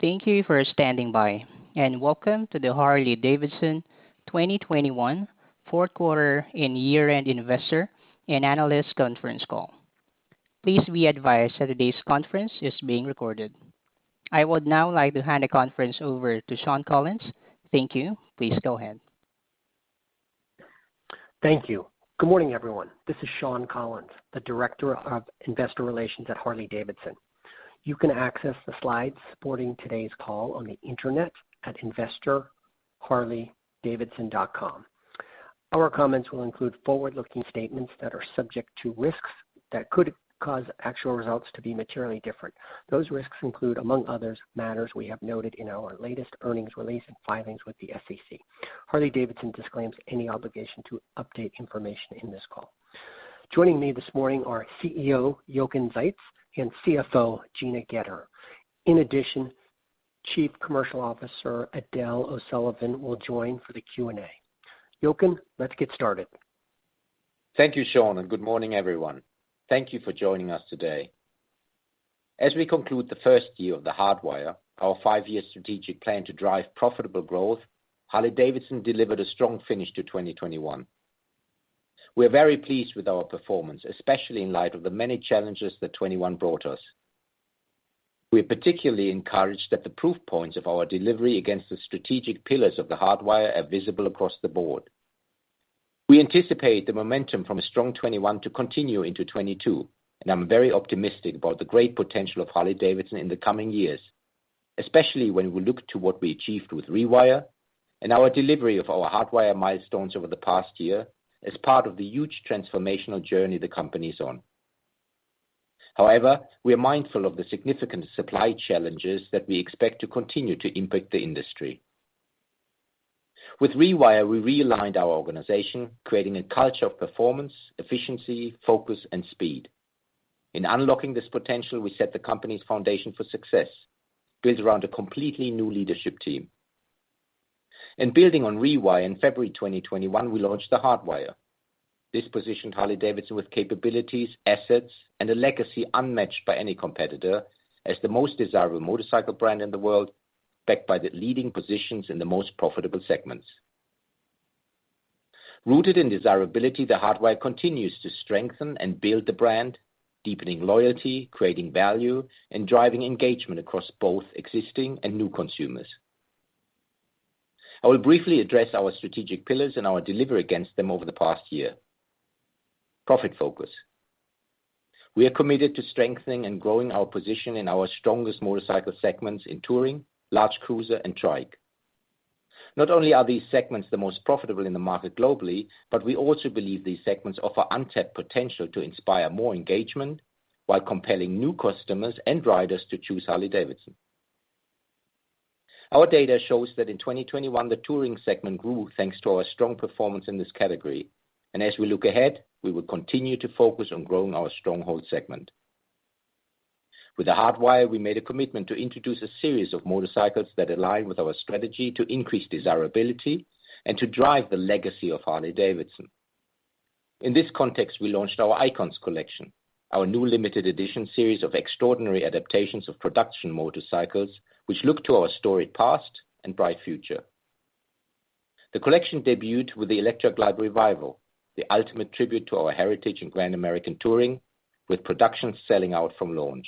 Thank you for standing by, and Welcome to the Harley-Davidson 2021 fourth quarter and year-end investor and analyst conference call. Please be advised that today's conference is being recorded. I would now like to hand the conference over to Shawn Collins. Thank you. Please go ahead. Thank you. Good morning, everyone. This is Shawn Collins, the Director of Investor Relations at Harley-Davidson. You can access the slides supporting today's call on the internet at investor.harley-davidson.com. Our comments will include forward-looking statements that are subject to risks that could cause actual results to be materially different. Those risks include, among others, matters we have noted in our latest earnings release and filings with the SEC. Harley-Davidson disclaims any obligation to update information in this call. Joining me this morning are CEO Jochen Zeitz and CFO Gina Goetter. In addition, Chief Commercial Officer Edel O'Sullivan will join for the Q&A. Jochen, let's get started. Thank you, Shawn, and good morning, everyone. Thank you for joining us today. As we conclude the first year of the Hardwire, our five-year strategic plan to drive profitable growth, Harley-Davidson delivered a strong finish to 2021. We're very pleased with our performance, especially in light of the many challenges that 2021 brought us. We're particularly encouraged that the proof points of our delivery against the strategic pillars of the Hardwire are visible across the board. We anticipate the momentum from a strong 2021 to continue into 2022, and I'm very optimistic about the great potential of Harley-Davidson in the coming years, especially when we look to what we achieved with Rewire and our delivery of our Hardwire milestones over the past year as part of the huge transformational journey the companies on. However, we are mindful of the significant supply challenges that we expect to continue to impact the industry. With Rewire, we realigned our organization, creating a culture of performance, efficiency, focus and speed. In unlocking this potential, we set the company's foundation for success, built around a completely new leadership team. Building on Rewire, in February 2021, we launched the Hardwire. This positioned Harley-Davidson with capabilities, assets, and a legacy unmatched by any competitor as the most desirable motorcycle brand in the world, backed by the leading positions in the most profitable segments. Rooted in desirability, the Hardwire continues to strengthen and build the brand, deepening loyalty, creating value, and driving engagement across both existing and new consumers. I will briefly address our strategic pillars and our delivery against them over the past year. Profit focus. We are committed to strengthening and growing our position in our strongest motorcycle segments in touring, large cruiser, and trike. Not only are these segments the most profitable in the market globally, but we also believe these segments offer untapped potential to inspire more engagement while compelling new customers and riders to choose Harley-Davidson. Our data shows that in 2021, the touring segment grew, thanks to our strong performance in this category. As we look ahead, we will continue to focus on growing our stronghold segment. With The Hardwire, we made a commitment to introduce a series of motorcycles that align with our strategy to increase desirability and to drive the legacy of Harley-Davidson. In this context, we launched our Icons Collection, our new limited-edition series of extraordinary adaptations of production motorcycles, which look to our storied past and bright future. The collection debuted with the Electra Glide Revival, the ultimate tribute to our heritage in Grand American Touring, with production selling out from launch.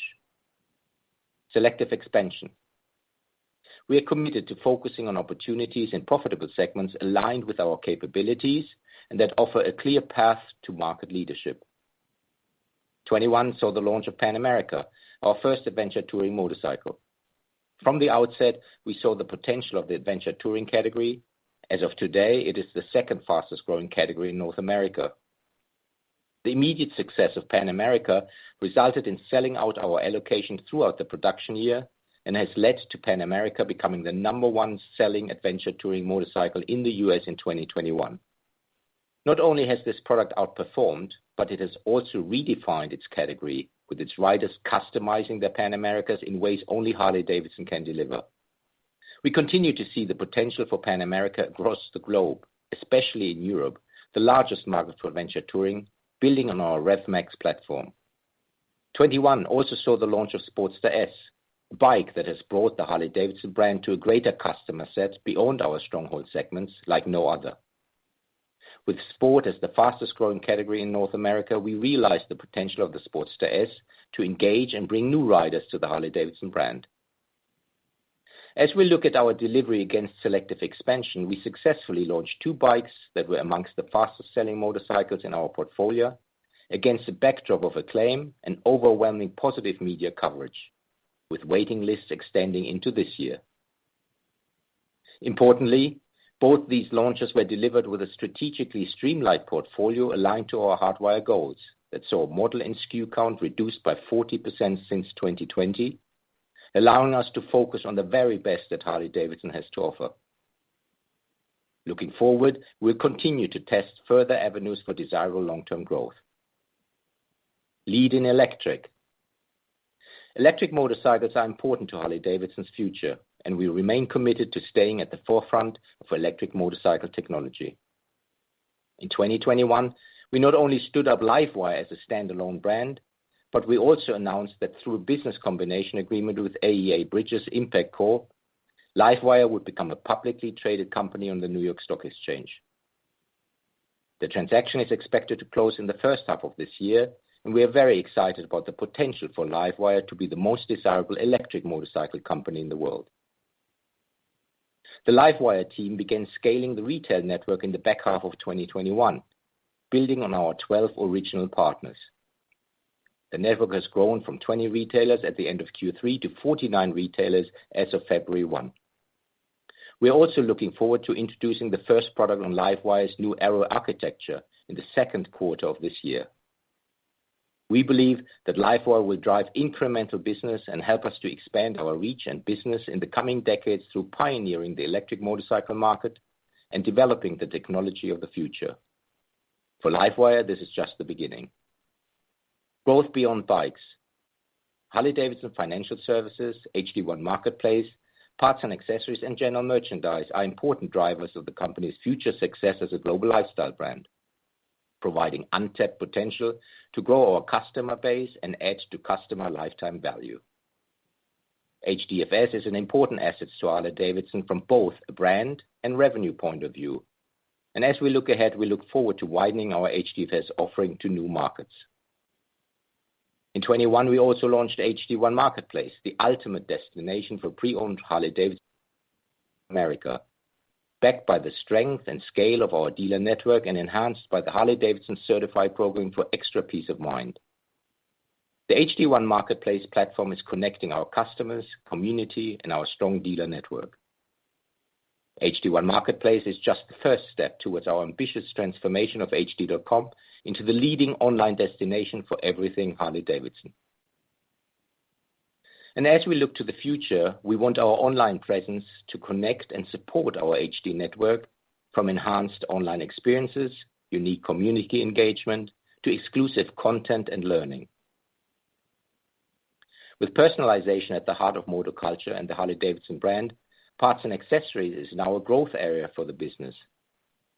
Selective expansion. We are committed to focusing on opportunities in profitable segments aligned with our capabilities and that offer a clear path to market leadership. 2021 saw the launch of Pan America, our first adventure touring motorcycle. From the outset, we saw the potential of the adventure touring category. As of today, it is the second fastest growing category in North America. The immediate success of Pan America resulted in selling out our allocation throughout the production year and has led to Pan America becoming the number one selling adventure touring motorcycle in the U.S. in 2021. Not only has this product outperformed, but it has also redefined its category, with its riders customizing their Pan Americas in ways only Harley-Davidson can deliver. We continue to see the potential for Pan America across the globe, especially in Europe, the largest market for adventure touring, building on our Revolution Max platform. 2021 also saw the launch of Sportster S, a bike that has brought the Harley-Davidson brand to a greater customer set beyond our stronghold segments like no other. With sport as the fastest growing category in North America, we realized the potential of the Sportster S to engage and bring new riders to the Harley-Davidson brand. As we look at our delivery against selective expansion, we successfully launched two bikes that were among the fastest selling motorcycles in our portfolio against the backdrop of acclaim and overwhelming positive media coverage, with waiting lists extending into this year. Importantly, both these launches were delivered with a strategically streamlined portfolio aligned to our Hardwire goals that saw model and SKU count reduced by 40% since 2020, allowing us to focus on the very best that Harley-Davidson has to offer. Looking forward, we'll continue to test further avenues for desirable long-term growth. Lead in electric. Electric motorcycles are important to Harley-Davidson's future, and we remain committed to staying at the forefront of electric motorcycle technology. In 2021, we not only stood up LiveWire as a standalone brand, but we also announced that through a business combination agreement with AEA-Bridges Impact Corp, LiveWire would become a publicly traded company on the New York Stock Exchange. The transaction is expected to close in the first half of this year, and we are very excited about the potential for LiveWire to be the most desirable electric motorcycle company in the world. The LiveWire team began scaling the retail network in the back half of 2021, building on our 12 original partners. The network has grown from 20 retailers at the end of Q3 to 49 retailers as of February 1, 2021. We are also looking forward to introducing the first product on LiveWire's new Arrow architecture in the second quarter of this year. We believe that LiveWire will drive incremental business and help us to expand our reach and business in the coming decades through pioneering the electric motorcycle market and developing the technology of the future. For LiveWire, this is just the beginning. Growth beyond bikes. Harley-Davidson Financial Services, H-D1 Marketplace, parts and accessories, and general merchandise are important drivers of the company's future success as a global lifestyle brand, providing untapped potential to grow our customer base and add to customer lifetime value. HDFS is an important asset to Harley-Davidson from both a brand and revenue point of view. As we look ahead, we look forward to widening our HDFS offering to new markets. In 2021, we also launched H-D1 Marketplace, the ultimate destination for pre-owned Harley-Davidson in America, backed by the strength and scale of our dealer network and enhanced by the Harley-Davidson certified program for extra peace of mind. The H-D1 Marketplace platform is connecting our customers, community, and our strong dealer network. H-D1 Marketplace is just the first step towards our ambitious transformation of hd.com into the leading online destination for everything Harley-Davidson. As we look to the future, we want our online presence to connect and support our H-D network from enhanced online experiences, unique community engagement, to exclusive content and learning. With personalization at the heart of motor culture and the Harley-Davidson brand, parts and accessories is now a growth area for the business.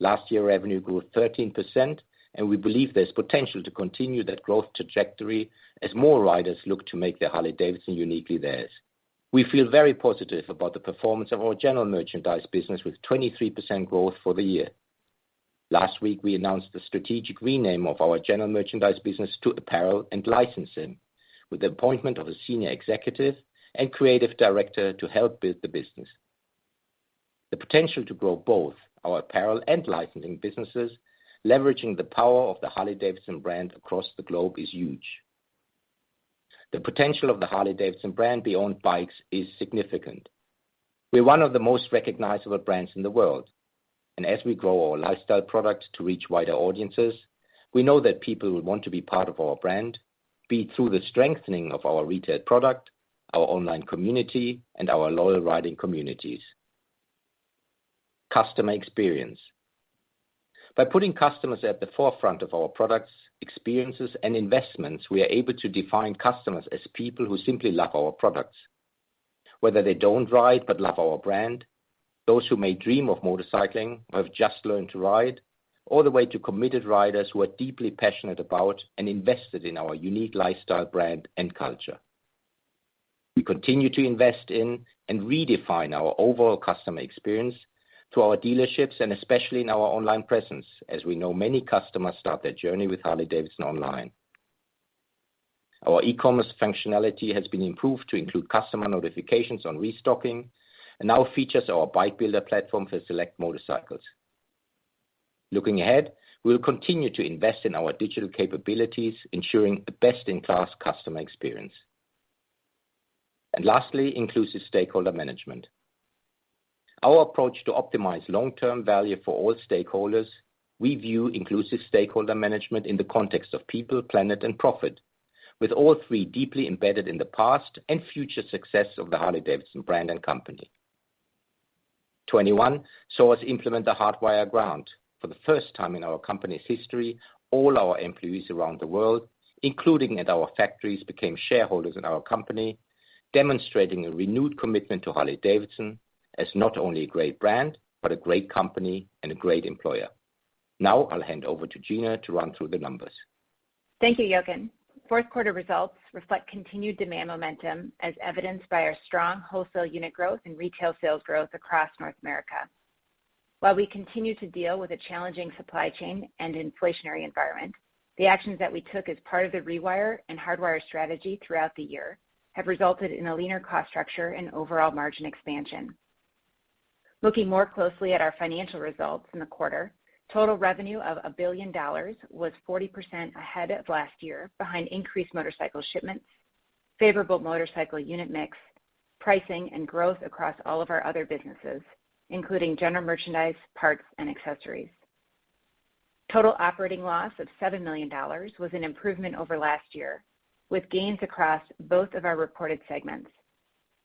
Last year, revenue grew 13%, and we believe there's potential to continue that growth trajectory as more riders look to make their Harley-Davidson uniquely theirs. We feel very positive about the performance of our general merchandise business with 23% growth for the year. Last week, we announced the strategic rename of our general merchandise business to apparel and licensing, with the appointment of a senior executive and creative director to help build the business. The potential to grow both our apparel and licensing businesses, leveraging the power of the Harley-Davidson brand across the globe is huge. The potential of the Harley-Davidson brand beyond bikes is significant. We're one of the most recognizable brands in the world, and as we grow our lifestyle product to reach wider audiences, we know that people will want to be part of our brand, be it through the strengthening of our retail product, our online community, and our loyal riding communities. Customer experience by putting customers at the forefront of our products, experiences, and investments, we are able to define customers as people who simply love our products. Whether they don't ride, but love our brand, those who may dream of motorcycling or have just learned to ride, all the way to committed riders who are deeply passionate about and invested in our unique lifestyle brand and culture. We continue to invest in and redefine our overall customer experience through our dealerships and especially in our online presence, as we know many customers start their journey with Harley-Davidson Online. Our e-commerce functionality has been improved to include customer notifications on restocking and now features our bike builder platform for select motorcycles. Looking ahead, we'll continue to invest in our digital capabilities, ensuring a best-in-class customer experience. Lastly, inclusive stakeholder management. Our approach to optimize long-term value for all stakeholders. We view inclusive stakeholder management in the context of people, planet, and profit, with all three deeply embedded in the past and future success of the Harley-Davidson brand and company. 21 saw us implement the Hardwire grant. For the first time in our company's history, all our employees around the world, including at our factories, became shareholders in our company, demonstrating a renewed commitment to Harley-Davidson as not only a great brand, but a great company and a great employer. Now I'll hand over to Gina to run through the numbers. Thank you, Jochen. Fourth quarter results reflect continued demand momentum as evidenced by our strong wholesale unit growth and retail sales growth across North America. While we continue to deal with a challenging supply chain and inflationary environment, the actions that we took as part of The Rewire and The Hardwire strategy throughout the year have resulted in a leaner cost structure and overall margin expansion. Looking more closely at our financial results in the quarter, total revenue of $1 billion was 40% ahead of last year behind increased motorcycle shipments, favorable motorcycle unit mix, pricing, and growth across all of our other businesses, including general merchandise, parts, and accessories. Total operating loss of $7 million was an improvement over last year, with gains across both of our reported segments.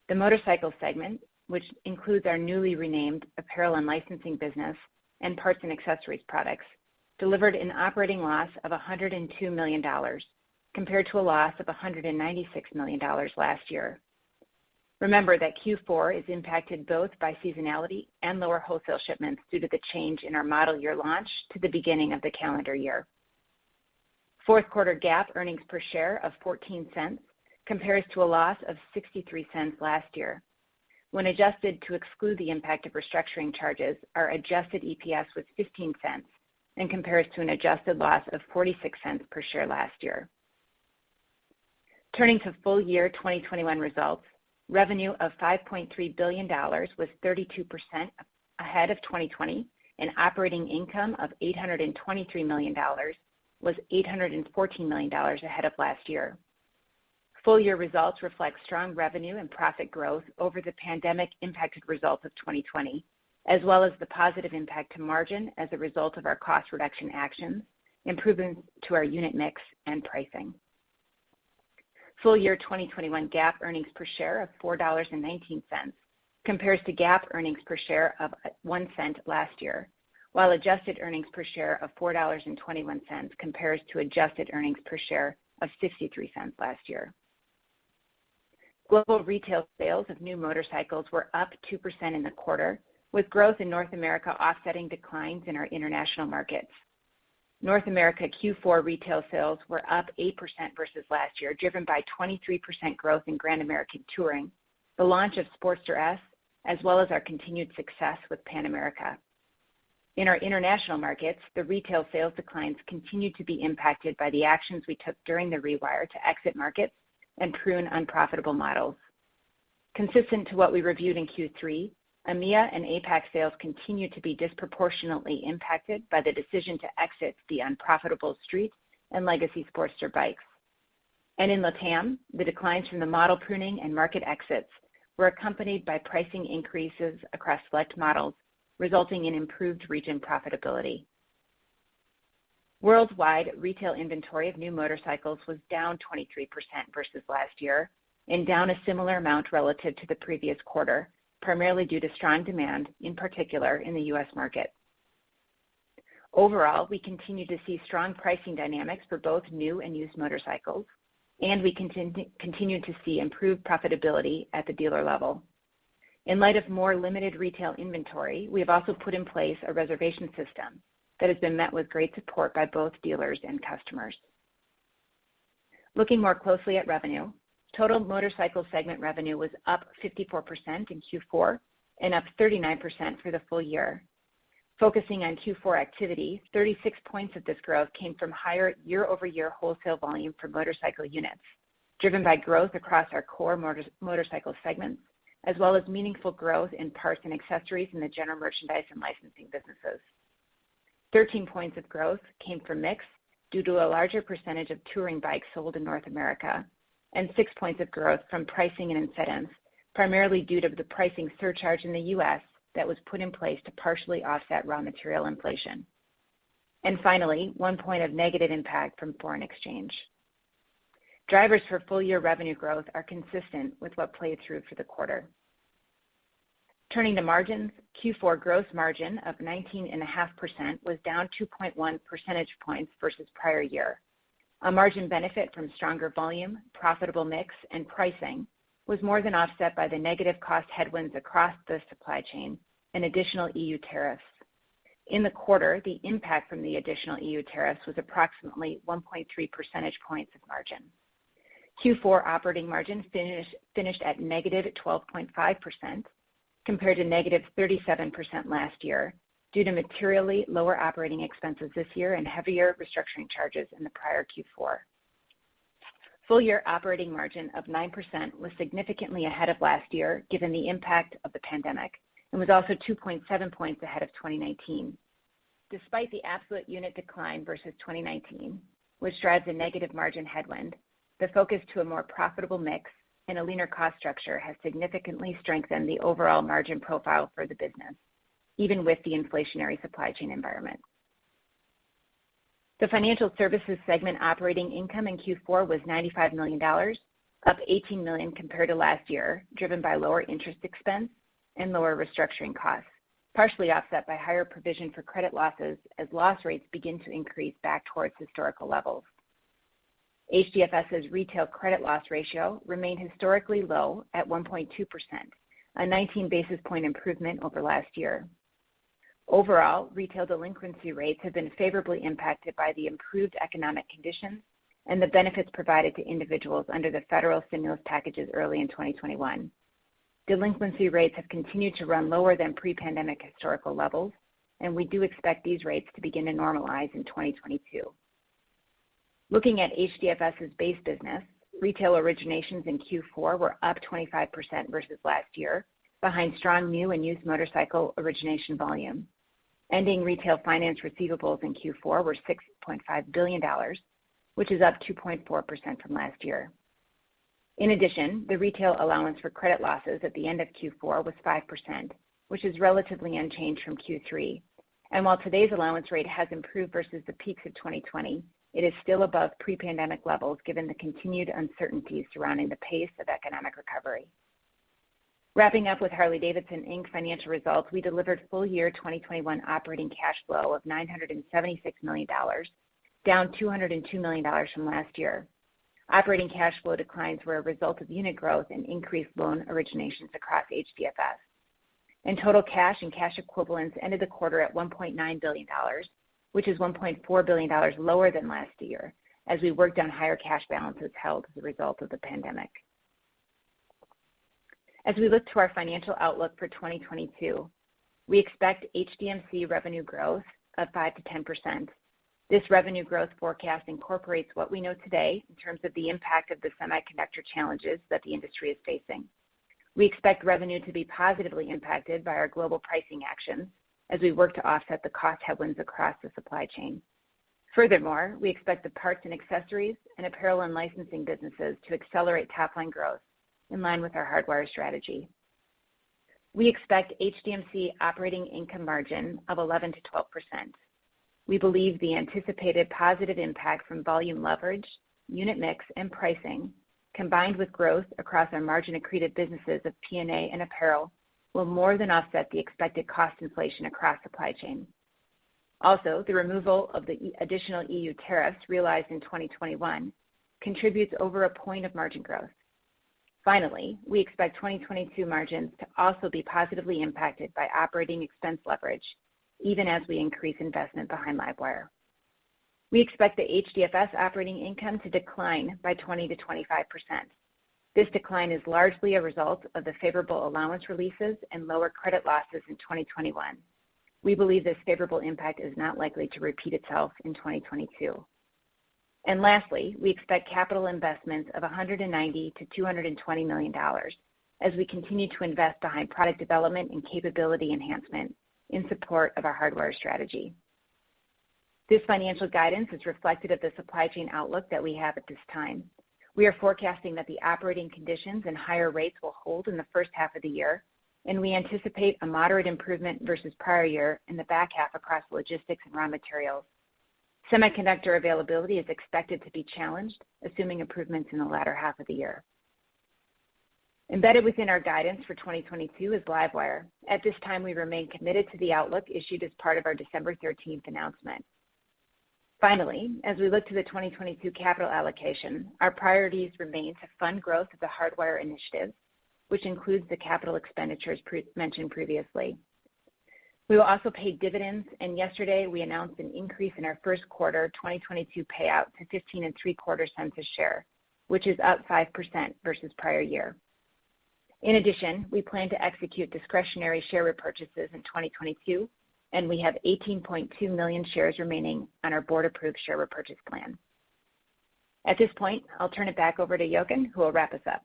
The motorcycle segment, which includes our newly renamed apparel and licensing business and parts and accessories products, delivered an operating loss of $102 million, compared to a loss of $196 million last year. Remember that Q4 is impacted both by seasonality and lower wholesale shipments due to the change in our model year launch to the beginning of the calendar year. Fourth quarter GAAP earnings per share of $0.14 compares to a loss of $0.63 last year. When adjusted to exclude the impact of restructuring charges, our adjusted EPS was $0.15 and compares to an adjusted loss of $0.46 per share last year. Turning to full year 2021 results, revenue of $5.3 billion was 32% ahead of 2020 and operating income of $823 million was $814 million ahead of last year. Full year results reflect strong revenue and profit growth over the pandemic-impacted results of 2020, as well as the positive impact to margin as a result of our cost reduction actions, improvements to our unit mix, and pricing. Full year 2021 GAAP earnings per share of $4.19 compares to GAAP earnings per share of $0.01 last year, while adjusted earnings per share of $4.21 compares to adjusted earnings per share of $0.53 last year. Global retail sales of new motorcycles were up 2% in the quarter, with growth in North America offsetting declines in our international markets. North America Q4 retail sales were up 8% versus last year, driven by 23% growth in Grand American Touring, the launch of Sportster S, as well as our continued success with Pan America. In our international markets, the retail sales declines continued to be impacted by the actions we took during The Rewire to exit markets and prune unprofitable models. Consistent with what we reviewed in Q3, EMEA and APAC sales continued to be disproportionately impacted by the decision to exit the unprofitable Street and legacy Sportster bikes. In LATAM, the declines from the model pruning and market exits were accompanied by pricing increases across select models, resulting in improved region profitability. Worldwide retail inventory of new motorcycles was down 23% versus last year and down a similar amount relative to the previous quarter, primarily due to strong demand, in particular in the U.S. market. Overall, we continue to see strong pricing dynamics for both new and used motorcycles, and we continue to see improved profitability at the dealer level. In light of more limited retail inventory, we have also put in place a reservation system that has been met with great support by both dealers and customers. Looking more closely at revenue, total motorcycle segment revenue was up 54% in Q4 and up 39% for the full year. Focusing on Q4 activity, 36 points of this growth came from higher year-over-year wholesale volume for motorcycle units, driven by growth across our core motorcycle segments, as well as meaningful growth in parts and accessories in the general merchandise and licensing businesses. 13 points of growth came from mix due to a larger percentage of touring bikes sold in North America, and 6 points of growth from pricing and incentives, primarily due to the pricing surcharge in the U.S. that was put in place to partially offset raw material inflation. Finally, 1 point of negative impact from foreign exchange. Drivers for full-year revenue growth are consistent with what played through for the quarter. Turning to margins, Q4 gross margin of 19.5% was down 2.1 percentage points versus prior year. A margin benefit from stronger volume, profitable mix, and pricing was more than offset by the negative cost headwinds across the supply chain and additional EU tariffs. In the quarter, the impact from the additional EU tariffs was approximately 1.3 percentage points of margin. Q4 operating margin finished at -12.5% compared to -37% last year due to materially lower operating expenses this year and heavier restructuring charges in the prior Q4. Full year operating margin of 9% was significantly ahead of last year given the impact of the pandemic, and was also 2.7 points ahead of 2019. Despite the absolute unit decline versus 2019, which drives a negative margin headwind, the focus to a more profitable mix and a leaner cost structure has significantly strengthened the overall margin profile for the business, even with the inflationary supply chain environment. The financial services segment operating income in Q4 was $95 million, up $18 million compared to last year, driven by lower interest expense and lower restructuring costs, partially offset by higher provision for credit losses as loss rates begin to increase back towards historical levels. HDFS's retail credit loss ratio remained historically low at 1.2%, a 19 basis point improvement over last year. Overall, retail delinquency rates have been favorably impacted by the improved economic conditions and the benefits provided to individuals under the federal stimulus packages early in 2021. Delinquency rates have continued to run lower than pre-pandemic historical levels, and we do expect these rates to begin to normalize in 2022. Looking at HDFS's base business, retail originations in Q4 were up 25% versus last year behind strong new and used motorcycle origination volume. Ending retail finance receivables in Q4 were $6.5 billion, which is up 2.4% from last year. In addition, the retail allowance for credit losses at the end of Q4 was 5%, which is relatively unchanged from Q3. While today's allowance rate has improved versus the peaks of 2020, it is still above pre-pandemic levels given the continued uncertainties surrounding the pace of economic recovery. Wrapping up with Harley-Davidson, Inc. financial results, we delivered full year 2021 operating cash flow of $976 million, down $202 million from last year. Operating cash flow declines were a result of unit growth and increased loan originations across HDFS. Total cash and cash equivalents ended the quarter at $1.9 billion, which is $1.4 billion lower than last year as we worked on higher cash balances held as a result of the pandemic. As we look to our financial outlook for 2022, we expect HDMC revenue growth of 5%-10%. This revenue growth forecast incorporates what we know today in terms of the impact of the semiconductor challenges that the industry is facing. We expect revenue to be positively impacted by our global pricing actions as we work to offset the cost headwinds across the supply chain. Furthermore, we expect the parts and accessories and apparel and licensing businesses to accelerate top line growth in line with our Hardwire strategy. We expect HDMC operating income margin of 11%-12%. We believe the anticipated positive impact from volume leverage, unit mix, and pricing, combined with growth across our margin accreted businesses of P&A and apparel, will more than offset the expected cost inflation across supply chain. Also, the removal of the additional EU tariffs realized in 2021 contributes over a point of margin growth. Finally, we expect 2022 margins to also be positively impacted by operating expense leverage, even as we increase investment behind LiveWire. We expect the HDFS operating income to decline by 20%-25%. This decline is largely a result of the favorable allowance releases and lower credit losses in 2021. We believe this favorable impact is not likely to repeat itself in 2022. Lastly, we expect capital investments of $190 million-$220 million as we continue to invest behind product development and capability enhancement in support of our Hardwire strategy. This financial guidance is reflective of the supply chain outlook that we have at this time. We are forecasting that the operating conditions and higher rates will hold in the first half of the year, and we anticipate a moderate improvement versus prior year in the back half across logistics and raw materials. Semiconductor availability is expected to be challenged, assuming improvements in the latter half of the year. Embedded within our guidance for 2022 is LiveWire. At this time, we remain committed to the outlook issued as part of our December 13th announcement. Finally, as we look to the 2022 capital allocation, our priorities remain to fund growth of The Hardwire, which includes the capital expenditures previously mentioned. We will also pay dividends, and yesterday, we announced an increase in our first quarter 2022 payout to $0.1575 per share, which is up 5% versus prior year. In addition, we plan to execute discretionary share repurchases in 2022, and we have 18.2 million shares remaining on our board-approved share repurchase plan. At this point, I'll turn it back over to Jochen, who will wrap us up.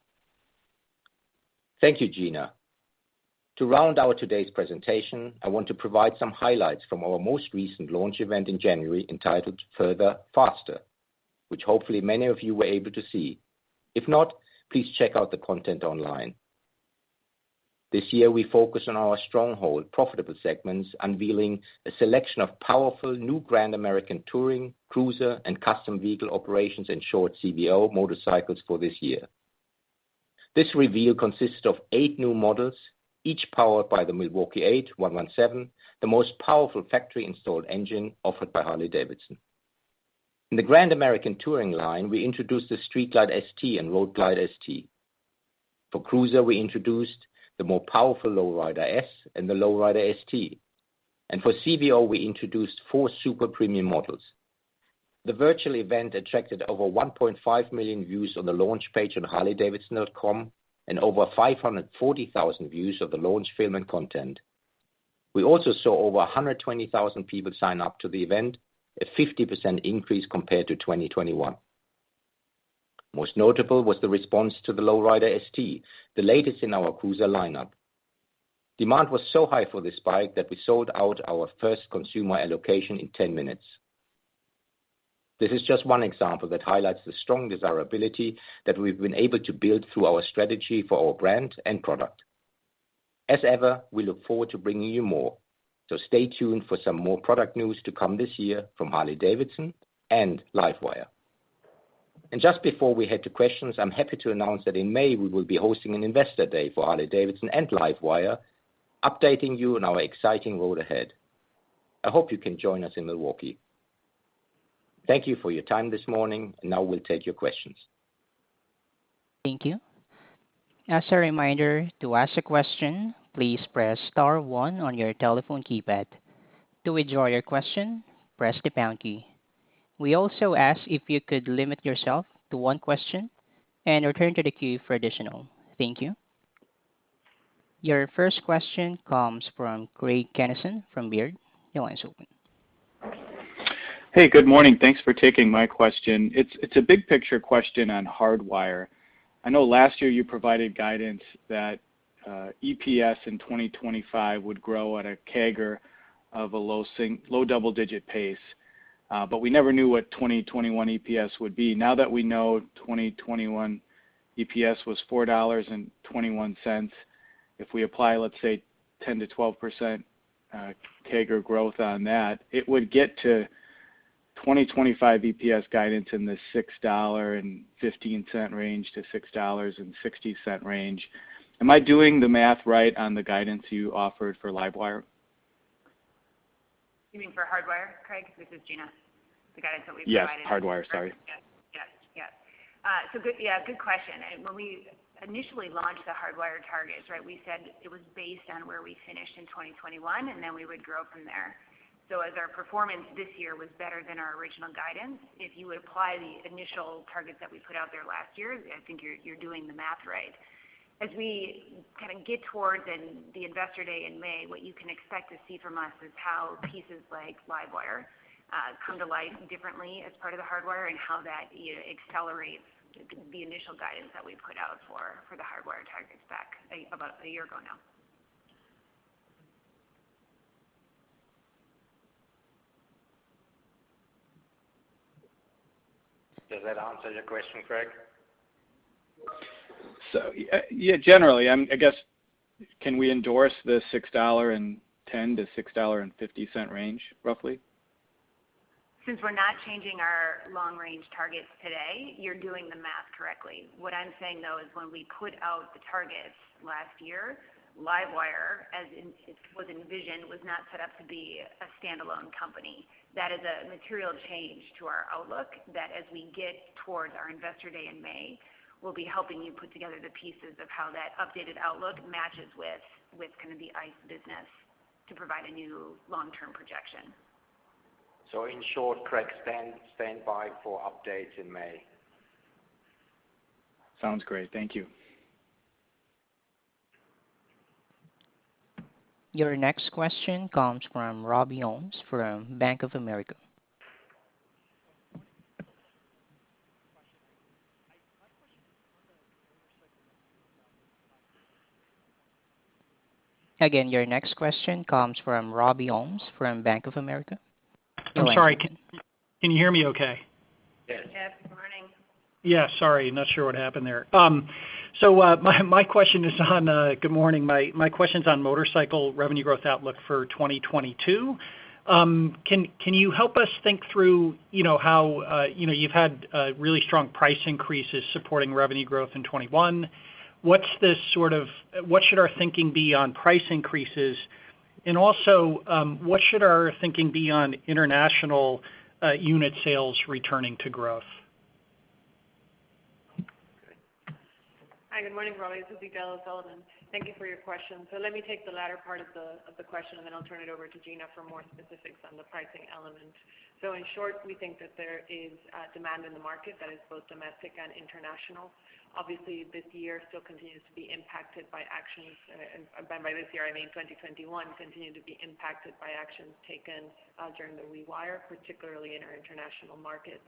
Thank you, Gina. To round out today's presentation, I want to provide some highlights from our most recent launch event in January entitled Further Faster, which hopefully many of you were able to see. If not, please check out the content online. This year, we focus on our stronghold profitable segments, unveiling a selection of powerful new Grand American Touring, cruiser and Custom Vehicle Operations, in short CVO motorcycles for this year. This reveal consists of eight new models, each powered by the Milwaukee-Eight 117, the most powerful factory-installed engine offered by Harley-Davidson. In the Grand American Touring line, we introduced the Street Glide ST and Road Glide ST. For cruiser, we introduced the more powerful Low Rider S and the Low Rider ST. For CVO, we introduced four super premium models. The virtual event attracted over 1.5 million views on the launch page on harley-davidson.com and over 540,000 views of the launch film and content. We also saw over 120,000 people sign up to the event, a 50% increase compared to 2021. Most notable was the response to the Low Rider ST, the latest in our cruiser lineup. Demand was so high for this bike that we sold out our first consumer allocation in 10 minutes. This is just one example that highlights the strong desirability that we've been able to build through our strategy for our brand and product. As ever, we look forward to bringing you more. Stay tuned for some more product news to come this year from Harley-Davidson and LiveWire. Just before we head to questions, I'm happy to announce that in May, we will be hosting an investor day for Harley-Davidson and LiveWire, updating you on our exciting road ahead. I hope you can join us in Milwaukee. Thank you for your time this morning, and now we'll take your questions. Thank you. As a reminder, to ask a question, please press star one on your telephone keypad. To withdraw your question, press the pound key. We also ask if you could limit yourself to one question and return to the queue for additional questions. Thank you. Your first question comes from Craig Kennison from Baird. Your line is open. Hey, good morning. Thanks for taking my question. It's a big picture question on Hardwire. I know last year you provided guidance that EPS in 2025 would grow at a CAGR of a low double-digit pace, but we never knew what 2021 EPS would be. Now that we know 2021 EPS was $4.21, if we apply, let's say, 10%-12% CAGR growth on that, it would get to 2025 EPS guidance in the $6.15-$6.60 range. Am I doing the math right on the guidance you offered for LiveWire? You mean for Hardwire, Craig? This is Gina. The guidance that we provided- Yes, Hardwire. Sorry. Yes. Good, yeah, good question. When we initially launched the Hardwire targets, right, we said it was based on where we finished in 2021, then we would grow from there. As our performance this year was better than our original guidance, if you would apply the initial targets that we put out there last year, I think you're doing the math right. As we kind of get towards the Investor Day in May, what you can expect to see from us is how pieces like LiveWire come to life differently as part of the Hardwire and how that accelerates the initial guidance that we've put out for the Hardwire targets back about a year ago now. Does that answer your question, Craig? Yeah, generally. I guess, can we endorse the $6.10-$6.50 range roughly? Since we're not changing our long-range targets today, you're doing the math correctly. What I'm saying, though, is when we put out the targets last year, LiveWire, as in, as was envisioned, was not set up to be a standalone company. That is a material change to our outlook that as we get towards our Investor Day in May, we'll be helping you put together the pieces of how that updated outlook matches with kind of the ICE business to provide a new long-term projection. In short, Craig, stand by for updates in May. Sounds great. Thank you. Your next question comes from Robbie Ohmes from Bank of America. I'm sorry. Can you hear me okay? Yes. Yes. Good morning. Yeah. Sorry, not sure what happened there. So, my question is on. Good morning, my question's on motorcycle revenue growth outlook for 2022. Can you help us think through, you know, how, you know, you've had really strong price increases supporting revenue growth in 2021. What should our thinking be on price increases? And also, what should our thinking be on international unit sales returning to growth? Hi, good morning, Robbie. This is Edel O'Sullivan. Thank you for your question. Let me take the latter part of the question, and then I'll turn it over to Gina for more specifics on the pricing element. In short, we think that there is demand in the market that is both domestic and international. Obviously, this year still continues to be impacted by actions, and by this year, I mean 2021 continued to be impacted by actions taken during The Rewire, particularly in our international markets.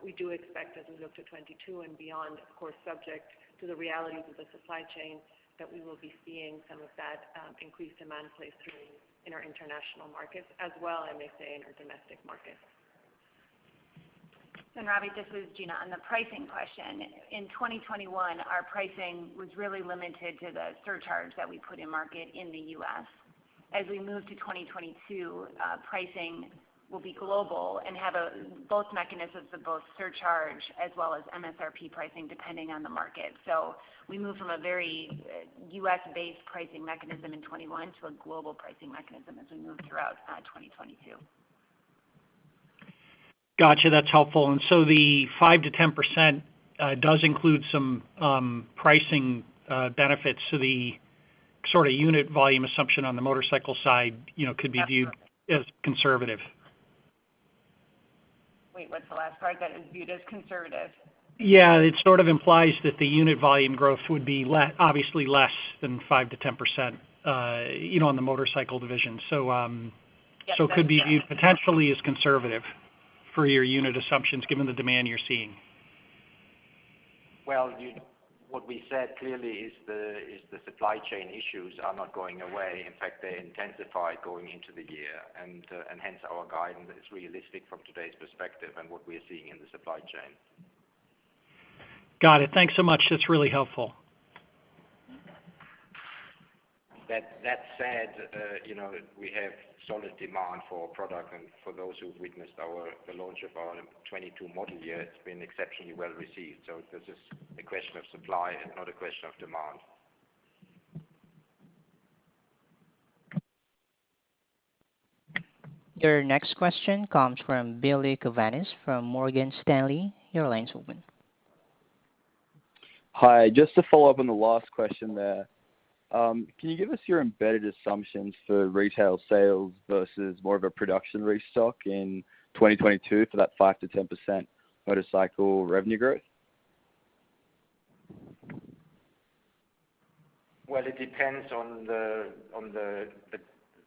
We do expect as we look to 2022 and beyond, of course, subject to the realities of the supply chain, that we will be seeing some of that increased demand play through in our international markets as well, I may say, in our domestic markets. Robbie, this is Gina. On the pricing question, in 2021, our pricing was really limited to the surcharge that we put in market in the U.S. As we move to 2022, pricing will be global and have both mechanisms of both surcharge as well as MSRP pricing depending on the market. We move from a very U.S. based pricing mechanism in 2021 to a global pricing mechanism as we move throughout 2022. Gotcha. That's helpful. The 5%-10% does include some pricing benefits to the sort of unit volume assumption on the motorcycle side, you know, could be viewed as conservative. Wait, what's the last part? That is viewed as conservative? Yeah. It sort of implies that the unit volume growth would be obviously less than 5%-10%, you know, on the motorcycle division. Yes. Could be viewed potentially as conservative for your unit assumptions given the demand you're seeing. Well, what we said clearly is the supply chain issues are not going away. In fact, they intensify going into the year and hence our guidance is realistic from today's perspective and what we're seeing in the supply chain. Got it. Thanks so much. That's really helpful. That said, you know, we have solid demand for product and for those who've witnessed the launch of our 2022 model year, it's been exceptionally well received. This is a question of supply and not a question of demand. Your next question comes from Billy Kovanis from Morgan Stanley. Your line's open. Hi. Just to follow up on the last question there. Can you give us your embedded assumptions for retail sales versus more of a production restock in 2022 for that 5%-10% motorcycle revenue growth? Well, it depends on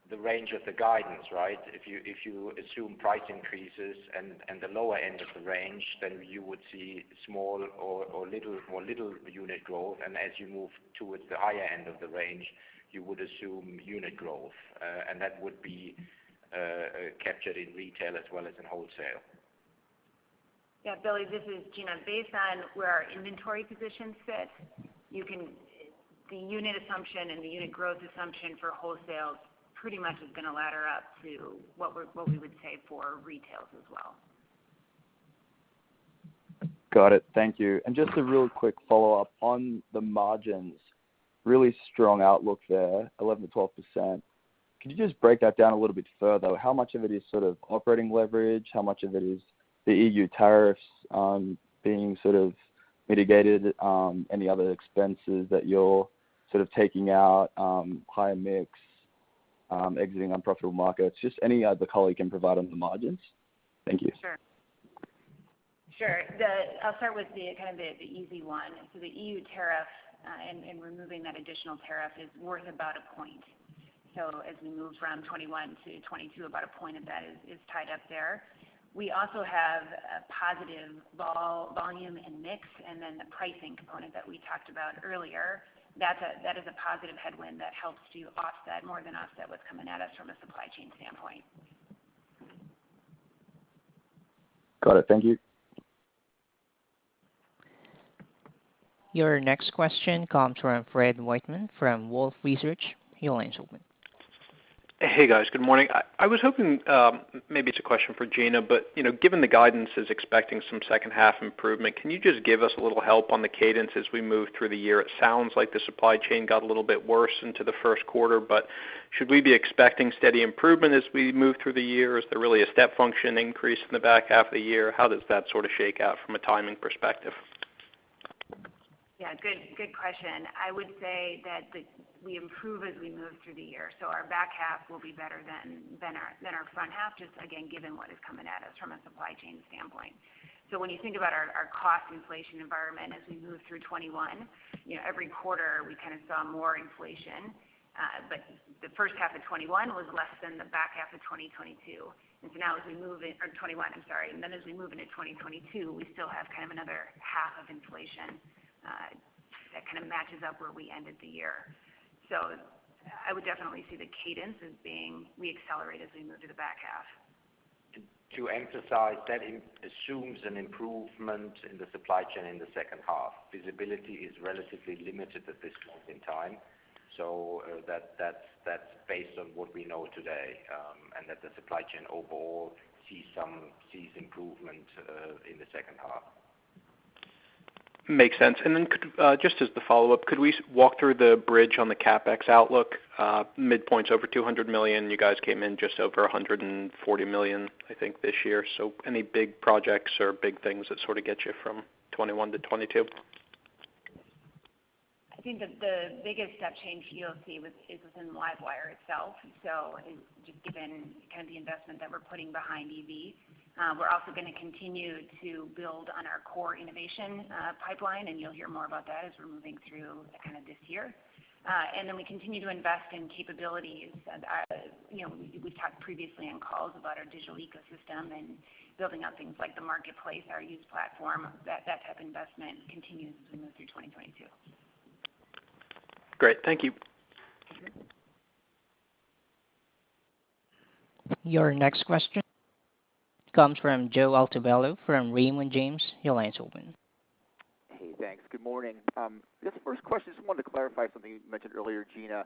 the range of the guidance, right? If you assume price increases and the lower end of the range, then you would see small or little more unit growth. As you move towards the higher end of the range, you would assume unit growth. That would be captured in retail as well as in wholesale. Yeah, Billy, this is Gina. Based on where our inventory positions sit, the unit assumption and the unit growth assumption for wholesales pretty much is gonna ladder up to what we would say for retails as well. Got it. Thank you. Just a real quick follow-up on the margins, really strong outlook there, 11%-12%. Could you just break that down a little bit further? How much of it is sort of operating leverage? How much of it is the EU tariffs, being sort of mitigated, any other expenses that you're sort of taking out, higher mix, exiting unprofitable markets? Just any other color you can provide on the margins? Thank you. I'll start with the easy one. The EU tariff and removing that additional tariff is worth about a point. As we move from 2021-2022, about a point of that is tied up there. We also have a positive volume and mix, and then the pricing component that we talked about earlier, that is a positive headwind that helps to offset, more than offset what's coming at us from a supply chain standpoint. Got it. Thank you. Your next question comes from Fred Wightman from Wolfe Research. Your line's open. Hey, guys. Good morning. I was hoping maybe it's a question for Gina. You know, given the guidance is expecting some second half improvement, can you just give us a little help on the cadence as we move through the year? It sounds like the supply chain got a little bit worse into the first quarter, but should we be expecting steady improvement as we move through the year, or is there really a step function increase in the back half of the year? How does that sort of shake out from a timing perspective? Yeah. Good question. I would say that we improve as we move through the year, so our back half will be better than our front half, just again, given what is coming at us from a supply chain standpoint. So when you think about our cost inflation environment as we move through 2021, you know, every quarter, we kind of saw more inflation, but the first half of 2021 was less than the back half of 2021. And then as we move into 2022, we still have kind of another half of inflation that kind of matches up where we ended the year. So I would definitely see the cadence as being we accelerate as we move to the back half. To emphasize, that assumes an improvement in the supply chain in the second half. Visibility is relatively limited at this point in time, so that's based on what we know today, and that the supply chain overall sees improvement in the second half. Makes sense. Just as the follow-up, could we walk through the bridge on the CapEx outlook, midpoint over $200 million. You guys came in just over $140 million, I think, this year. Any big projects or big things that sort of get you from 2021-2022? I think the biggest step change you'll see which is within LiveWire itself. Just given kind of the investment that we're putting behind EV, we're also gonna continue to build on our core innovation pipeline, and you'll hear more about that as we're moving through kind of this year. We continue to invest in capabilities. You know, we've talked previously on calls about our digital ecosystem and building out things like the marketplace, our used platform. That type of investment continues as we move through 2022. Great. Thank you. Sure. Your next question comes from Joseph Altobello from Raymond James. Your line's open. Hey, thanks. Good morning. This first question, just wanted to clarify something you mentioned earlier, Gina,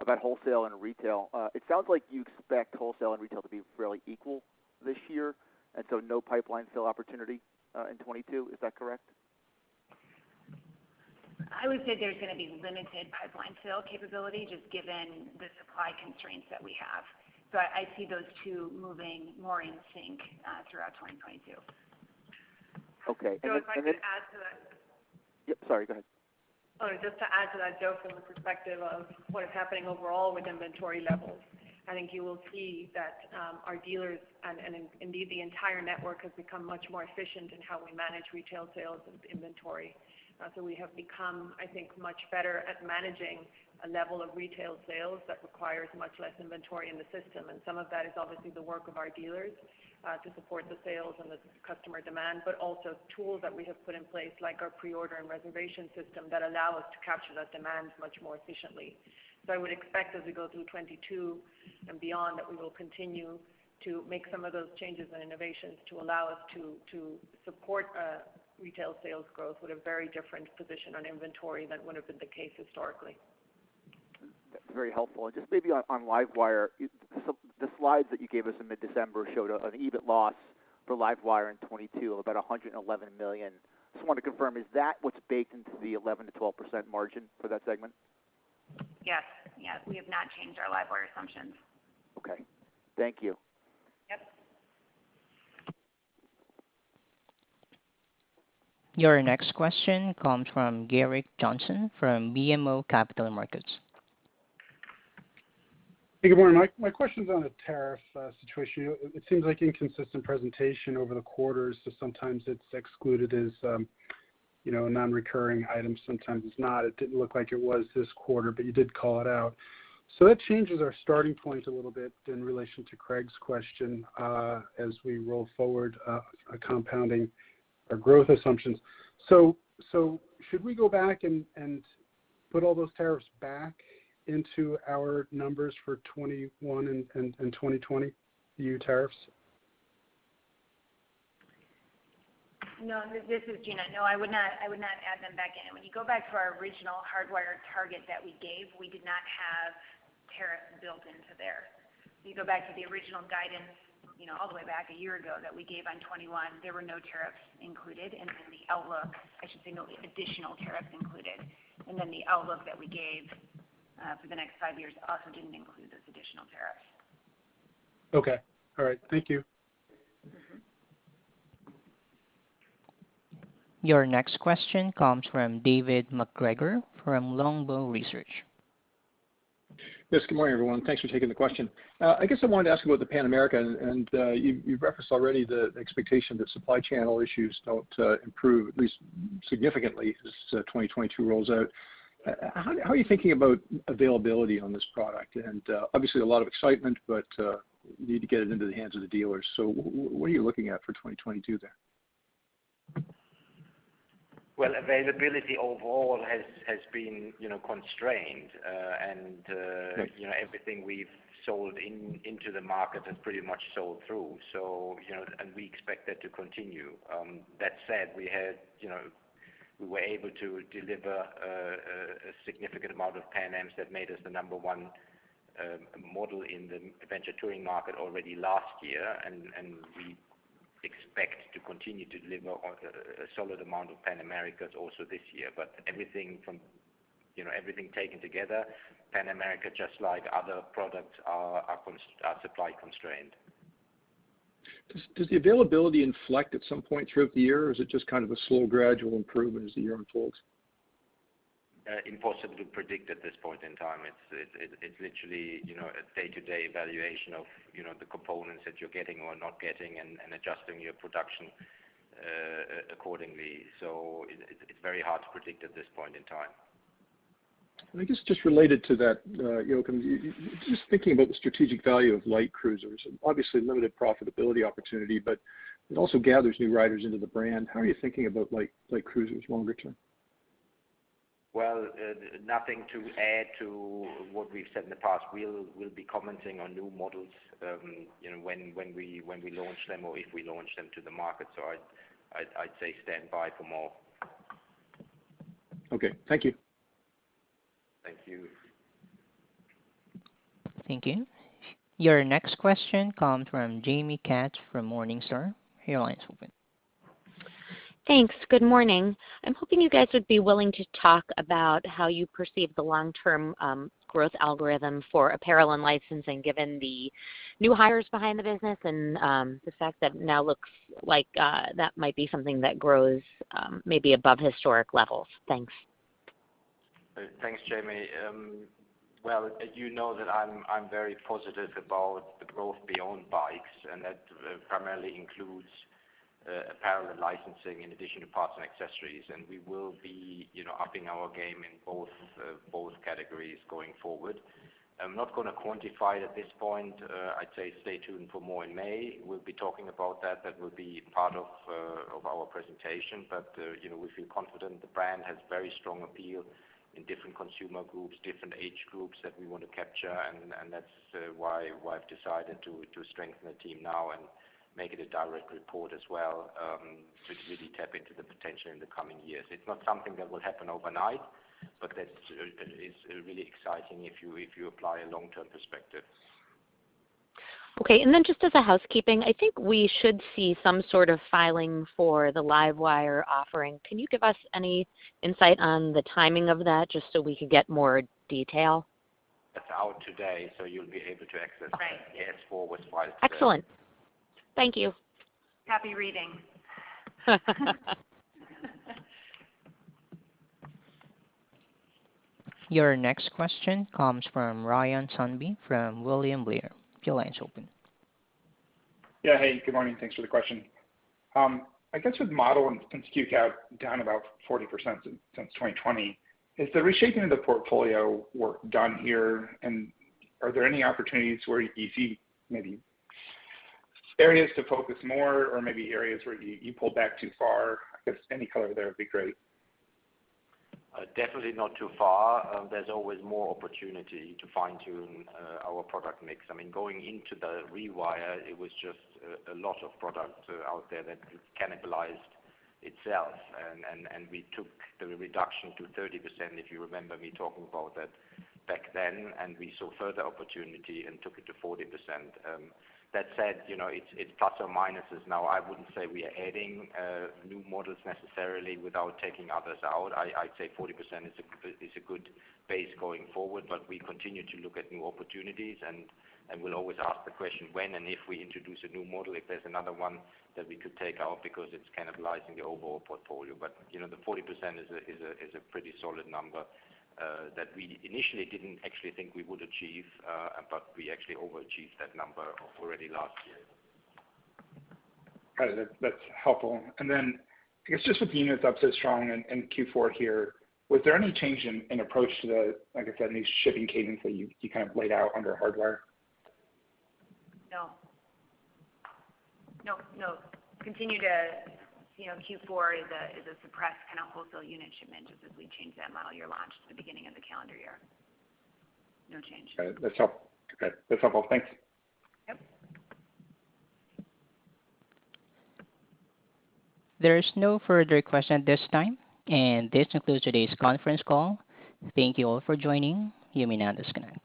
about wholesale and retail. It sounds like you expect wholesale and retail to be fairly equal this year, and so no pipeline fill opportunity in 2022. Is that correct? I would say there's going to be limited pipeline fill capability just given the supply constraints that we have. I see those two moving more in sync throughout 2022. Okay. Joe, if I could add to that. Yep, sorry. Go ahead. Oh, just to add to that, Joe, from the perspective of what is happening overall with inventory levels, I think you will see that, our dealers and indeed the entire network has become much more efficient in how we manage retail sales and inventory. We have become, I think, much better at managing a level of retail sales that requires much less inventory in the system. Some of that is obviously the work of our dealers to support the sales and the customer demand, but also tools that we have put in place, like our pre-order and reservation system that allow us to capture that demand much more efficiently. I would expect as we go through 2022 and beyond, that we will continue to make some of those changes and innovations to allow us to support retail sales growth with a very different position on inventory than would have been the case historically. That's very helpful. Just maybe on LiveWire. The slides that you gave us in mid-December showed an EBIT loss for LiveWire in 2022 of about $111 million. Just wanted to confirm, is that what's baked into the 11%-12% margin for that segment? Yes. We have not changed our LiveWire assumptions. Okay. Thank you. Yep. Your next question comes from Gerrick Johnson from BMO Capital Markets. Hey, good morning. My question's on the tariff situation. It seems like inconsistent presentation over the quarters. Sometimes it's excluded as, you know, a non-recurring item. Sometimes it's not. It didn't look like it was this quarter, but you did call it out. That changes our starting point a little bit in relation to Craig's question, as we roll forward, compounding our growth assumptions. Should we go back and Put all those tariffs back into our numbers for 2021 and 2020 EU tariffs? No. This is Gina. No, I would not add them back in. When you go back to our original Hardwire target that we gave, we did not have tariffs built into there. If you go back to the original guidance, you know, all the way back a year ago that we gave on 2021, there were no tariffs included. The outlook, I should say, no additional tariffs included. The outlook that we gave for the next five years also didn't include those additional tariffs. Okay. All right. Thank you. Mm-hmm. Your next question comes from David MacGregor from Longbow Research. Yes, good morning, everyone. Thanks for taking the question. I guess I wanted to ask about the Pan America, and you’ve referenced already the expectation that supply channel issues don’t improve at least significantly as 2022 rolls out. How are you thinking about availability on this product? Obviously a lot of excitement, but you need to get it into the hands of the dealers. What are you looking at for 2022 there? Well, availability overall has been, you know, constrained. Yes you know, everything we've sold into the market has pretty much sold through. you know, we expect that to continue. That said, we had, you know, we were able to deliver a significant amount of Pan Americas that made us the number one model in the adventure touring market already last year. We expect to continue to deliver a solid amount of Pan Americas also this year. Everything, you know, taken together, Pan America, just like other products are supply constrained. Does the availability inflect at some point throughout the year, or is it just kind of a slow gradual improvement as the year unfolds? Impossible to predict at this point in time. It's literally, you know, a day-to-day evaluation of, you know, the components that you're getting or not getting and adjusting your production accordingly. It's very hard to predict at this point in time. I guess just related to that, Jochen, just thinking about the strategic value of light cruisers. Obviously limited profitability opportunity, but it also gathers new riders into the brand. How are you thinking about light cruisers longer term? Well, nothing to add to what we've said in the past. We'll be commenting on new models, you know, when we launch them or if we launch them to the market. I'd say stand by for more. Okay. Thank you. Thank you. Thank you. Your next question comes from Jaime M. Katz from Morningstar. Your line's open. Thanks. Good morning. I'm hoping you guys would be willing to talk about how you perceive the long-term growth algorithm for apparel and licensing, given the new hires behind the business and the fact that it now looks like that might be something that grows maybe above historic levels. Thanks. Thanks, Jamie. Well, you know that I'm very positive about the growth beyond bikes, and that primarily includes apparel and licensing in addition to parts and accessories. We will be, you know, upping our game in both categories going forward. I'm not gonna quantify it at this point. I'd say stay tuned for more in May. We'll be talking about that. That will be part of our presentation. You know, we feel confident the brand has very strong appeal in different consumer groups, different age groups that we want to capture. That's why I've decided to strengthen the team now and make it a direct report as well, to really tap into the potential in the coming years. It's not something that will happen overnight, but that's really exciting if you apply a long-term perspectives. Okay. Then just as a housekeeping, I think we should see some sort of filing for the LiveWire offering. Can you give us any insight on the timing of that just so we could get more detail? It's out today, so you'll be able to access that. Right. Yes, forward filed today. Excellent. Thank you. Happy reading. Your next question comes from Ryan Sundby from William Blair. Your line's open. Yeah. Hey, good morning. Thanks for the question. I guess with model and SKU count down about 40% since 2020, is the reshaping of the portfolio work done here? Are there any opportunities where you see maybe areas to focus more or maybe areas where you pulled back too far? I guess any color there would be great. Definitely not too far. There's always more opportunity to fine-tune our product mix. I mean, going into The Rewire, it was just a lot of products out there that cannibalized itself. We took the reduction to 30%, if you remember me talking about that back then, and we saw further opportunity and took it to 40%. That said, you know, it's plus or minuses now. I wouldn't say we are adding new models necessarily without taking others out. I'd say 40% is a good base going forward, but we continue to look at new opportunities and we'll always ask the question when and if we introduce a new model, if there's another one that we could take out because it's cannibalizing the overall portfolio. You know, the 40% is a pretty solid number that we initially didn't actually think we would achieve, but we actually overachieved that number already last year. I guess just with units up so strong in Q4 here, was there any change in approach to the, like I said, any shipping cadence that you kind of laid out under Hardwire? No. Continue to, you know, Q4 is a suppressed kind of wholesale unit shipment just as we changed that model year launch at the beginning of the calendar year. No change. Got it. That's okay. That's helpful. Thanks. Yep. There is no further question at this time, and this concludes today's conference call. Thank you all for joining. You may now disconnect.